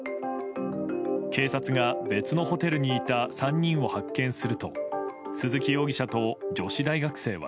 警察が、別のホテルにいた３人を発見すると鈴木容疑者と女子大学生は。